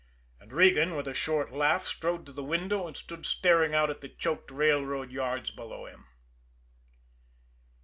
and Regan, with a short laugh, strode to the window and stood staring out at the choked railroad yards below him.